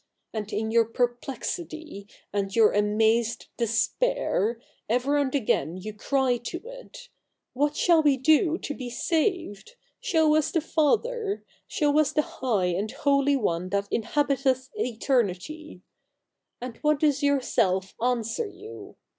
And in your perplexity, and your amazed despair, ever and again you cry to it, What shall we do to be saved ? Show us the Father I Show us the high and holy One that inhabiteth Eternity I And what does your Self answer you